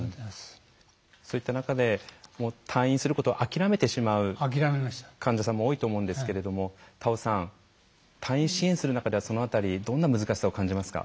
そういった中で退院することを諦めてしまう患者さんも多いと思うんですけれども田尾さん退院支援する中ではその辺りどんな難しさを感じますか？